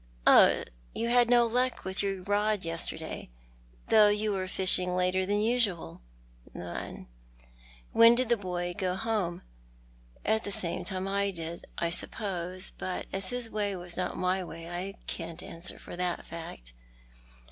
" Oh, you had no luck with your rod yesterday, though yoa were fishing later than usual ?" "None." " When did the boy go home ?"" At the same time I did, I suppose ; but as his way was not my way I can't answer for the fact."